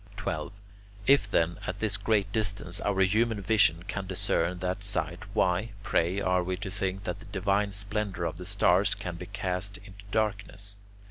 12. If then, at this great distance, our human vision can discern that sight, why, pray, are we to think that the divine splendour of the stars can be cast into darkness?